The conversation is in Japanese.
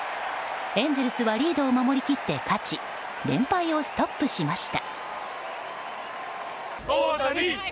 エンゼルスはリードを守り切って勝ち連敗をストップしました。